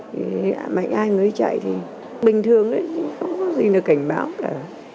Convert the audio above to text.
thì mạnh ai mới chạy thì bình thường đấy không có gì là cảnh báo cả